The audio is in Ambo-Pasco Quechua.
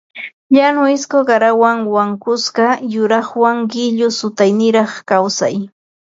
Llañu isku qarawan wankusqa yuraqwan qillu suytuniraq kawsay